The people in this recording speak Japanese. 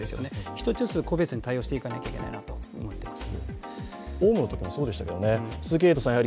一つずつ個別に対応していかないといけないと思います。